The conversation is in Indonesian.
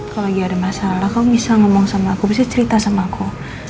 kalau lagi ada masalah kamu bisa ngomong sama aku bisa cerita sama aku